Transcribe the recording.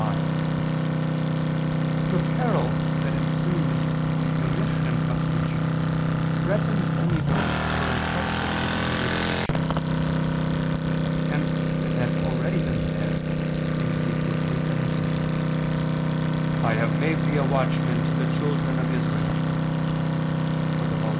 5: The peril that ensues from the omission of preaching, threatens only those who are entrusted with the duty of preaching. Hence it had already been said (Ezech. 3:17): "I have made thee a watchman to the children [Vulg.